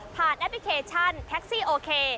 แอปพลิเคชันแท็กซี่โอเค